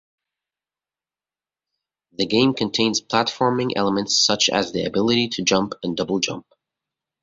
The game contains platforming elements such as the ability to jump and double jump.